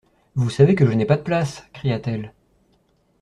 Vous savez que je n'ai pas de place, cria-t-elle.